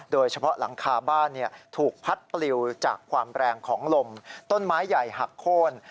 โดยเฉพาะหลังคาบ้านถูกพัดปลิวจากความแรงของลมต้นไม้ใหญ่หักโค้น